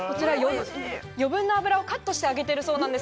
余分な油をカットして揚げているそうです。